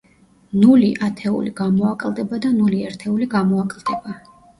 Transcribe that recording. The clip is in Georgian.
ნული ათეული გამოაკლდება და ნული ერთეული გამოაკლდება.